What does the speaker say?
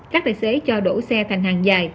các đại sế cho đổ xe thành hàng dài